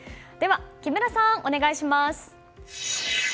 木村さん、お願いします！